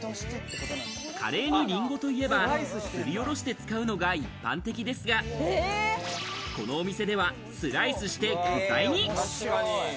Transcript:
カレーにリンゴといえば、すりおろして使うのが一般的ですが、このお店ではスライスして具材に。